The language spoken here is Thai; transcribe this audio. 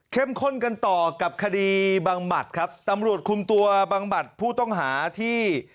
ข้นกันต่อกับคดีบังหมัดครับตำรวจคุมตัวบังหมัดผู้ต้องหาที่